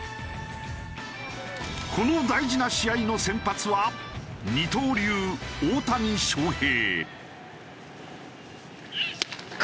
この大事な試合の先発は二刀流大谷翔平。